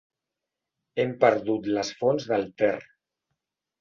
Hem perdut les fonts del Ter.